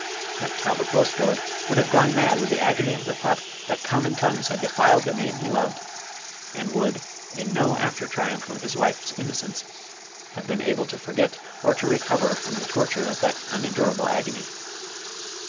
But Talbot Bulstrode would have gone mad with the agony of the thought that common tongues had defiled the name he loved, and would, in no after triumph of his wife's innocence, have been able to forget or to recover from the torture of that unendurable agony.